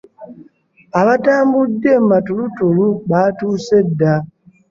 Abaatambudde mu matulutulu baatuuse dda.